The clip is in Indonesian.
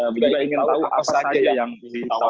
mereka ingin tahu apa saja yang ditawarkan indonesia